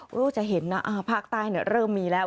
รู้จะเห็นนะภาคใต้เริ่มมีแล้ว